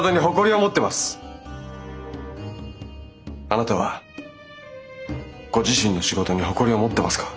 あなたはご自身の仕事に誇りを持ってますか？